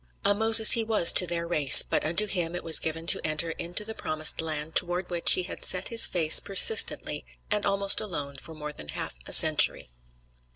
A Moses he was to their race; but unto him it was given to enter into the promised land toward which he had set his face persistently and almost alone for more than half a century.